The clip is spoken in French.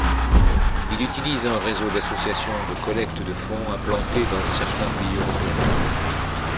Il utilise un réseau d'associations de collecte de fonds implantées dans certains pays européens.